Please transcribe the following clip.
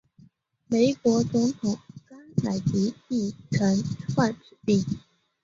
美国总统甘乃迪亦曾患此病。